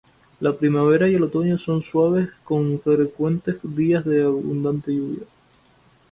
La primavera y el otoño son suaves con frecuentes días de abundante lluvia.